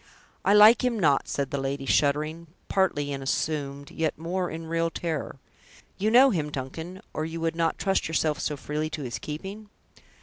"I like him not," said the lady, shuddering, partly in assumed, yet more in real terror. "You know him, Duncan, or you would not trust yourself so freely to his keeping?"